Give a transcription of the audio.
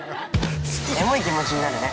◆エモい気持ちになるね。